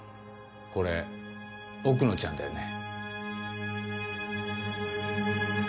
これ奥野ちゃんだよね。